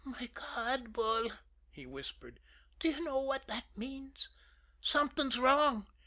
"My God, Bull," he whispered, "do you know what that means? Something's wrong.